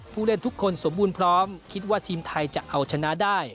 ผู้เล่นทุกคนสมบูรณ์พร้อมคิดว่าทีมไทยจะเอาชนะได้